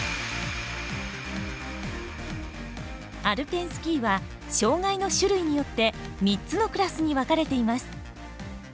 アルペンスキーは障がいの種類によって３つのクラスに分かれています。